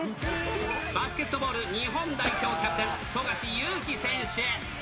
バスケットボール日本代表キャプテン、富樫勇樹選手。